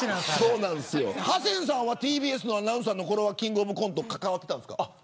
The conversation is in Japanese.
ハセンさんはＴＢＳアナのころはキングオブコント関わっていたんですか。